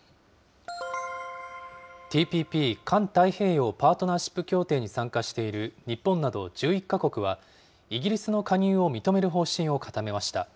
ＴＰＰ・環太平洋パートナーシップ協定に参加している日本など１１か国は、イギリスの加入を認める方針を固めました。